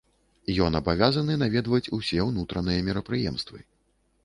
Ён абавязаны наведваць усе ўнутраныя мерапрыемствы.